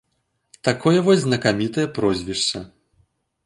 Такое вось знакамітае прозвішча.